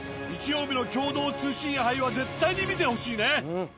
日曜日の共同通信杯は絶対に見てほしいね！